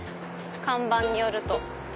看板によると。